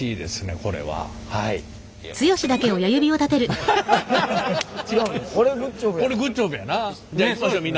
これグッジョブやな。